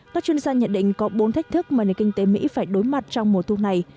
các chuyên gia nhận định có bốn thách thức mà nền kinh tế mỹ phải đối mặt trong mùa thu này